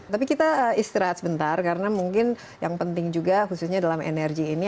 tapi kita istirahat sebentar karena mungkin yang penting juga khususnya dalam energi ini